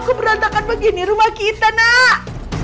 keberantakan begini rumah kita nak